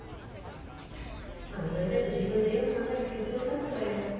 まあみのりだって自分でよく考えて結論出すわよ。